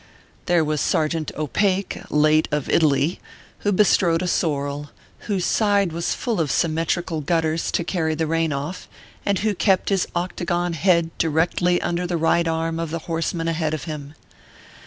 There was Sergeant OTake, late of Italy, who be strode a sorrel, whose side was full of symmetrical gut ters to carry the rain off, and who kept his octagon head directly under the right arm of the horseman ahead of him.